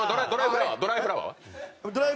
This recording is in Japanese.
『ドライフラワー』は。